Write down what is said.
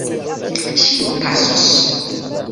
Ĉio pasos!